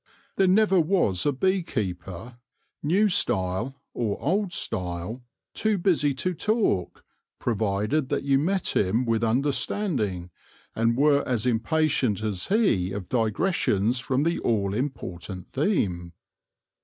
There never was a bee keeper, nev style, or old style, too busy to talk, provided that you met him with understanding, and were as impatient as he of digressions from the all important theme.